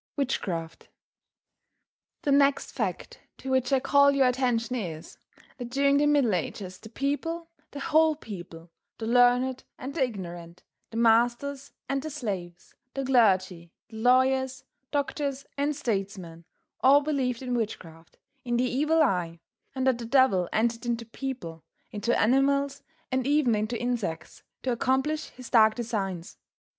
WITCHCRAFT THE next fact to which I call your attention is, that during the Middle Ages the people, the whole people, the learned and the ignorant, the masters and the slaves, the clergy, the lawyers, doctors and statesmen, all believed in witchcraft in the evil eye, and that the devil entered into people, into animals and even into insects to accomplish his dark designs.